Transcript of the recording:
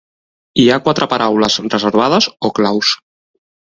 Hi ha quatre paraules reservades o claus.